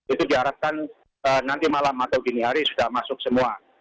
itu diharapkan nanti malam atau gini hari sudah masuk semua